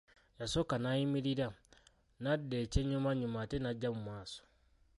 Yasooka n'ayimirira, n'adda ekyennyumannyuma ate n'ajja mu maaso.